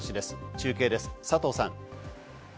中継です、佐藤さん。